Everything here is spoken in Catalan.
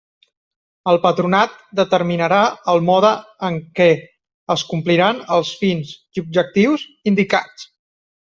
El Patronat determinarà el mode en què es compliran els fins i objectius indicats.